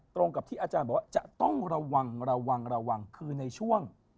ตรงกับที่อาจารย์บอกว่าจะต้องระวังระวังระวังระวังคือในช่วง